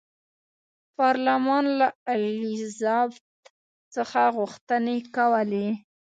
پارلمان له الیزابت څخه غوښتنې کولې.